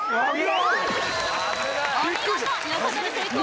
お見事横取り成功